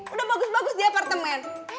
udah bagus bagus di apartemen